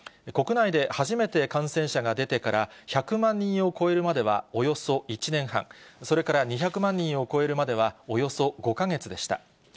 国内で初めて感染者が出てから、１００万人を超えるまではおよそ１年半、それから２００万人を超えるまでは、およそ５か月でした。